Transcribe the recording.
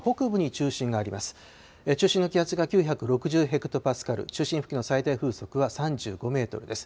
中心の気圧が９６０ヘクトパスカル、中心付近の最大風速は３５メートルです。